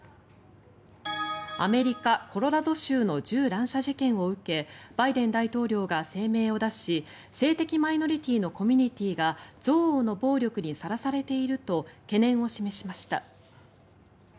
アメリカ・コロラド州の銃乱射事件を受けバイデン大統領が声明を出し性的マイノリティーのコミュニティーが憎悪の暴力にさらされていると懸念を示しました。